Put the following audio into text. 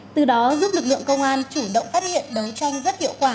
từ đó giúp lực lượng công an chủ động phát hiện đấu tranh rất hiệu quả